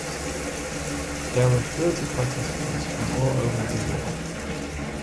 There were thirty participants from all over Brazil.